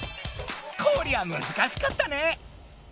こりゃむずかしかったね。